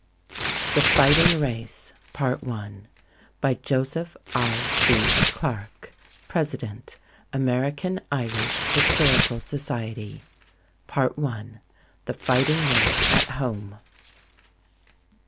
THE FIGHTING RACE By JOSEPH I.C. CLARKE, President, American Irish Historical Society. I. THE FIGHTING RACE AT HOME.